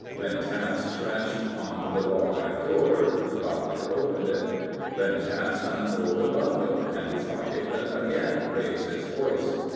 Lynn Taps scratched on the rawhide door; the doctor opened it. Lynn Tapps unrolled the bundle, and its occupant again raised its voice.